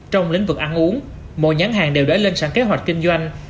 trong lĩnh vực ăn uống mỗi nhãn hàng đều để lên sẵn kế hoạch kinh doanh